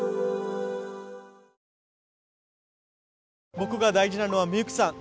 僕が大事なのはミユキさん。